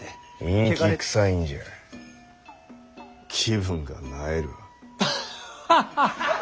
陰気くさいんじゃ気分が萎えるわ。